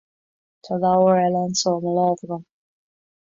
Tá leabhar eile anseo i mo láimh agam